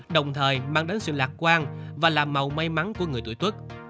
đồng thời mang đến sự lạc quan và là màu may mắn của người tuổi tuất